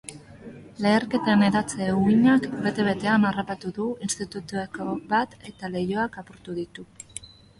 Leherketen hedatze uhinak bete-betean harrapatu du institutuetako bat, eta leihoak apurtu ditu.